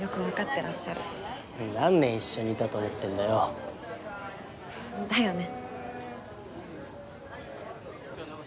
てらっしゃる何年一緒にいたと思ってんだよだよね